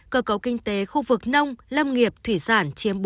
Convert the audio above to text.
cơ cấu kinh tế khu vực nông lâm nghiệp thủy sản chiếm bốn